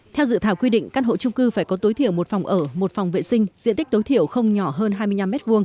theo dự thảo quy định căn hộ trung cư phải có tối thiểu một phòng ở một phòng vệ sinh diện tích tối thiểu không nhỏ hơn hai mươi năm m hai